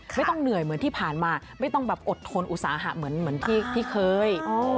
ไม่ต้องเหนื่อยเหมือนที่ผ่านมาไม่ต้องแบบอดทนอุตสาหะเหมือนที่เคย